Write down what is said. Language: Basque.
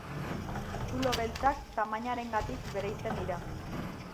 Zulo beltzak tamainarengatik bereizten dira.